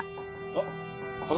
あっ。